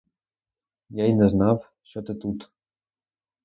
Я й не знав, що ти тут!